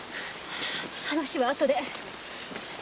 話はあとで。